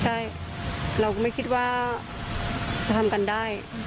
ใช่เราก็ไม่คิดว่าจะทำกันได้